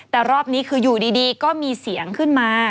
แต่รอบนี้คืออยู่ดีก็มีเสียงขึ้นมา